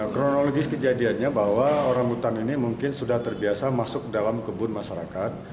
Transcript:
kronologis kejadiannya bahwa orang hutan ini mungkin sudah terbiasa masuk dalam kebun masyarakat